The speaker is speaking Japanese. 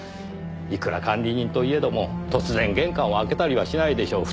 いくら管理人といえども突然玄関を開けたりはしないでしょう。